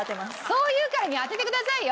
そう言うからには当ててくださいよ。